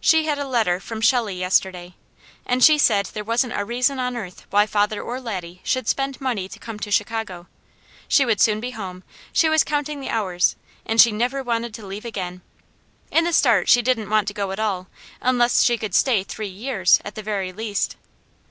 She had a letter from Shelley yesterday, and she said there wasn't a reason on earth why father or Laddie should spend money to come to Chicago, she would soon be home, she was counting the hours, and she never wanted to leave again. In the start she didn't want to go at all, unless she could stay three years, at the very least.